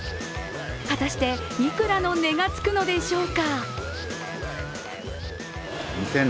果たしていくらの値がつくのでしょうか？